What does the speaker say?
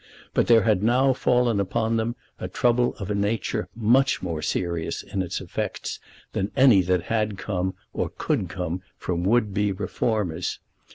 But there had now fallen upon them a trouble of a nature much more serious in its effects than any that had come or could come from would be reformers.